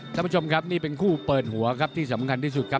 ท่านผู้ชมครับนี่เป็นคู่เปิดหัวครับที่สำคัญที่สุดครับ